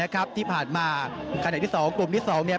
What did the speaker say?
ขณะที่๒กลุ่มที่๒